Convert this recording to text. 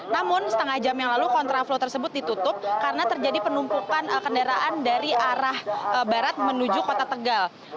namun setengah jam yang lalu kontra flow tersebut ditutup karena terjadi penumpukan kendaraan dari arah barat menuju kota tegal